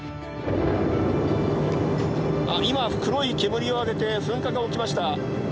「あっ今黒い煙を上げて噴火が起きました」。